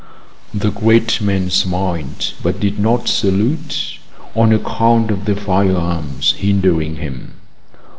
The great man smiled, but did not salute, on account of the firearms hindering him.